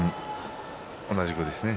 同じくですね。